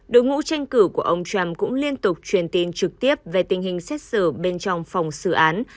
đối ngũ tranh cử của ông trump cũng liên tục truyền tin trực tiếp về tình hình xét xử bên trong phòng xử án